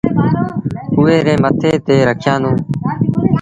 اُئي ري مٿي تي رکيآندونٚ